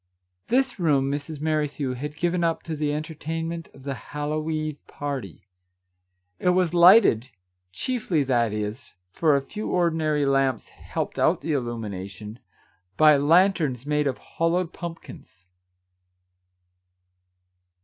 This room Mrs. Merrithew had given up to the enter tainment of the Hallow eve party. It was lighted — chiefly, that is, for a few ordinary lamps helped out the illumination — by lan terns made of hollowed pumpkins.